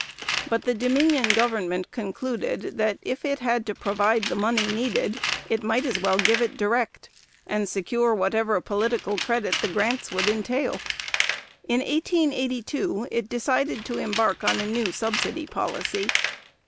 But the Dominion government concluded that, if it had to provide the money needed, it might as well give it direct, and secure whatever political credit the grants would entail. In 1882 it decided to embark on a new subsidy policy.